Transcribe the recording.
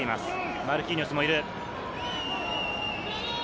マルキーニョスもいる。